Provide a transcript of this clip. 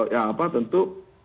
yang apa tentu